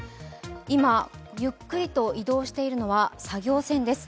今、ゆっくりと移動しているのは作業船です。